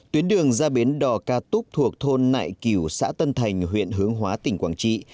tuyến đường ra biến đỏ ca túc thuộc thôn nại kiểu xã tân thành huyện hướng hóa tỉnh quảng trị